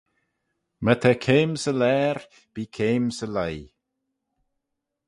My ta keim 'sy laair, bee keim 'sy lhiy